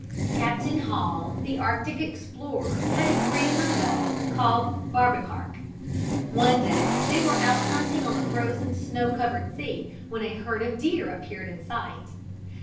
Captain Hall, the Arctic explorer, had a Greenland dog called Barbekark. One day they were out hunting on the frozen, snow covered sea, when a herd of deer appeared in sight.